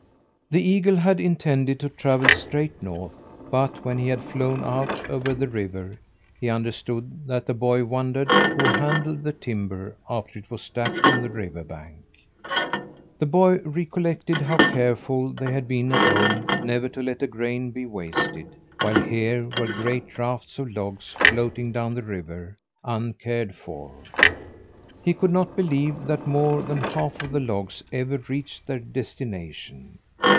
The eagle had intended to travel straight north, but when he had flown out over the river he understood that the boy wondered who handled the timber after it was stacked on the river bank. The boy recollected how careful they had been at home never to let a grain be wasted, while here were great rafts of logs floating down the river, uncared for. He could not believe that more than half of the logs ever reached their destination.